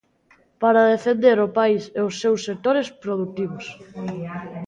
Para defender o país e os seus sectores produtivos.